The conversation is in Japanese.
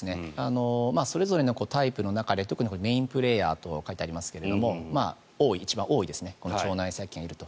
それぞれのタイプの中で特にメインプレーヤーと書いてありますけども一番多い、腸内細菌がいると。